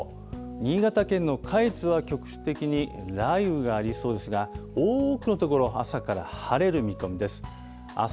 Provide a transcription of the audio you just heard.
新潟県の下越は局地的に雷雨がありそうですが、多くの所、朝から晴れる見込みです。